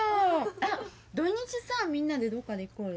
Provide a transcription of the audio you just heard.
あっ土日さみんなでどっかで行こうよ。